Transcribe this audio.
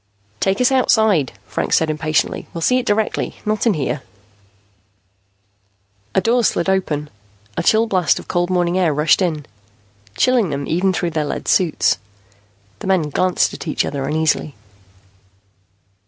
"Take us outside," Franks said impatiently. "We'll see it directly, not in here." A door slid open. A chill blast of cold morning air rushed in, chilling them even through their lead suits. The men glanced at each other uneasily.